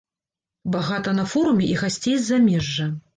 Багата на форуме і гасцей з замежжа.